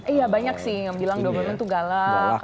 iya banyak sih yang bilang dokumen itu galak